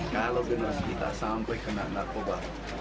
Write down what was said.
kalau generasi kita sampai kena narkoba